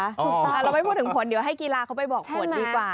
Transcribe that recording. เราไม่พูดถึงผลเดี๋ยวให้กีฬาเขาไปบอกผลดีกว่านะครับ